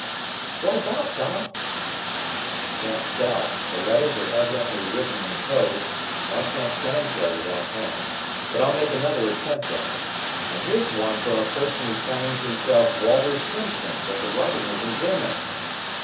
"What about, Tom?" "I can't tell. The letters are evidently written in code, and I can't translate it offhand. But I'll make another attempt at it. And here's one from a person who signs himself Walter Simpson, but the writing is in German."